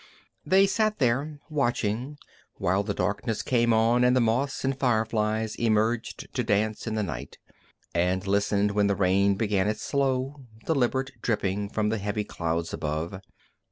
They sat there, watching, while the darkness came on and the moths and fireflies emerged to dance in the night, and listened when the rain began its slow, deliberate dripping from the heavy clouds above.